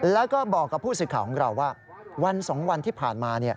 แล้วก็บอกกับผู้สื่อข่าวของเราว่าวัน๒วันที่ผ่านมา